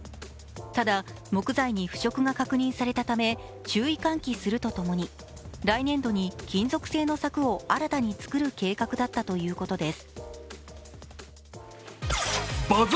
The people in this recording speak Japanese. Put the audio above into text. ただ、木材に腐食が確認されたため注意喚起するとともに来年度に金属製の柵を新たに作る計画だったということです。